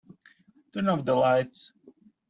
Turn off the lights.